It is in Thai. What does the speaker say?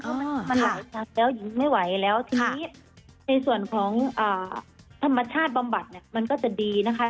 เพราะมันไหลชัดแล้วหญิงไม่ไหวแล้วทีนี้ในส่วนของธรรมชาติบำบัดเนี่ยมันก็จะดีนะคะ